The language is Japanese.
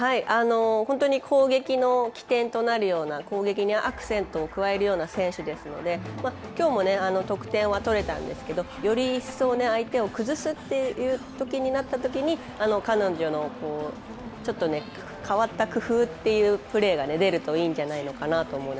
本当に攻撃の起点となるような、攻撃にアクセントを加えるような選手ですので、きょうも得点は取れたんですけれどより一層、相手を崩すというときになったときに彼女のちょっと変わった工夫というプレーが出るといいんじゃないのかなと思います。